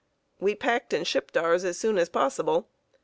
We packed and shipped ours as soon as possible.